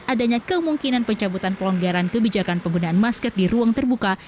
adanya kemungkinan pencabutan pelonggaran kebijakan penggunaan masker di ruang terbuka